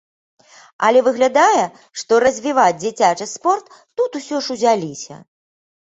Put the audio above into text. Але выглядае, што развіваць дзіцячы спорт тут усё ж узяліся.